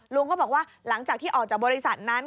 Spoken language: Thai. ลุงก็บอกว่าหลังจากที่ออกจากบริษัทนั้น